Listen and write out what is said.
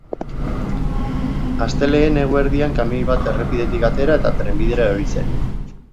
Astelehen eguerdian kamioi bat errepidetik atera eta trenbidera erori zen.